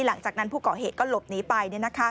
หลังจากนั้นผู้ก่อเหตุก็หลบหนีไป